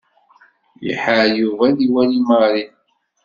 Iḥar Yuba ad iwali Mary.